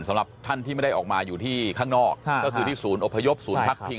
สำหรับท่านที่ไม่ได้ออกมาอยู่ที่ข้างนอกก็คือที่ศูนย์อพยพศูนย์พักพิง